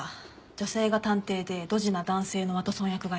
女性が探偵でドジな男性のワトソン役がいる。